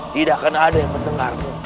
tidak akan ada yang mendengarmu